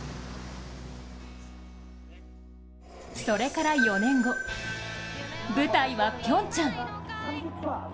それから４年後、舞台はピョンチャン。